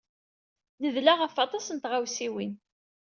Nedla ɣef waṭas n tɣawsiwin.